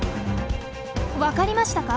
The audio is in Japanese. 分かりましたか？